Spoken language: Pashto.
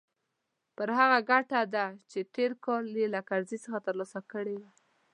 پر هغه ګټه ده چې تېر ځل يې له کرزي څخه ترلاسه کړې وه.